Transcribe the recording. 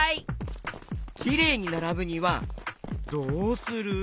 きれいにならぶにはどうする？